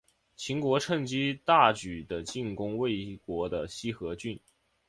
秦国趁机大举的进攻魏国的西河郡。